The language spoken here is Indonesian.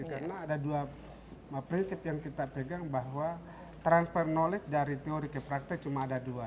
karena ada dua prinsip yang kita pegang bahwa transfer knowledge dari teori ke praktik cuma ada dua